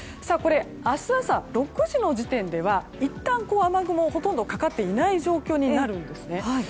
明日朝、６時の時点ではいったん雨雲がほとんどかかっていない状況になるんですね。